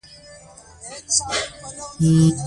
بهلول وویل: اول باید موږک جګ کړو.